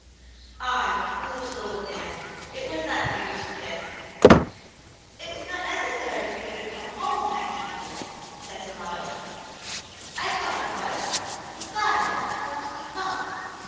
Ah, you foolish little man; it was not you she kissed ! ''It was not necessary for you to come home, Maggie dear," said her mother. " I thought it was ; besides, I wanted to come."